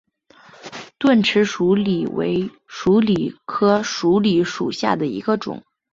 钝齿鼠李为鼠李科鼠李属下的一个种。